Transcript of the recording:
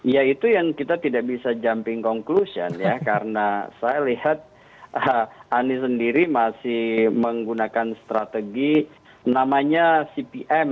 ya itu yang kita tidak bisa jumping conclusion ya karena saya lihat anies sendiri masih menggunakan strategi namanya cpm